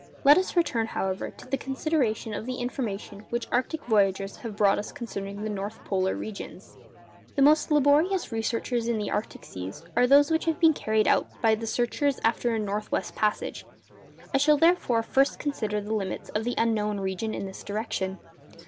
Let us return, however, to the consideration of the information which arctic voyagers have brought us concerning the north polar regions. The most laborious researches in arctic seas are those which have been carried out by the searchers after a north west passage. I shall therefore first consider the limits of the unknown region in this direction.